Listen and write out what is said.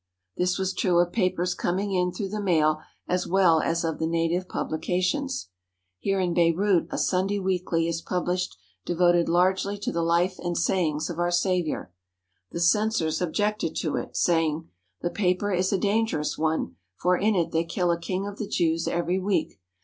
This was true of papers coming in through the mail as well as of the native publications. Here in Beirut a Sunday weekly is published devoted largely to the life and sayings of our Saviour. The censors objected to it, saying: "The paper is a dangerous one, for in it they kill a King of the Jews every week.